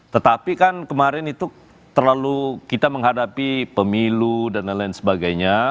tetapi kan kemarin itu terlalu kita menghadapi pemilu dan lain lain sebagainya